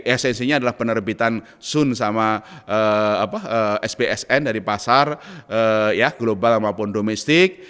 esensinya adalah penerbitan sun sama sbsn dari pasar global maupun domestik